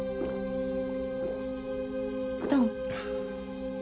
どう？